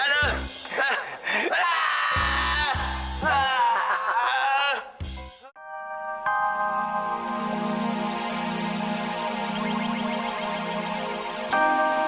sampai jumpa lagi